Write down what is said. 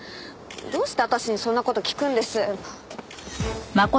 どうして私にそんな事聞くんです？